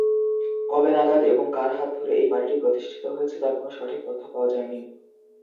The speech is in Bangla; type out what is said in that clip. কবে নাগাদ এবং কার হাত ধরে এই বাড়িটি প্রতিষ্ঠিত হয়েছে তার কোনো সঠিক তথ্য পাওয়া যায়নি।